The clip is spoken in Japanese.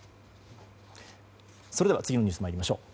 それでは、次のニュースに参りましょう。